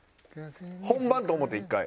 本番と思って１回。